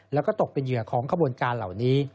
แล้วก็ตกเป็นเหยื่อของขบวนการเหล่านี้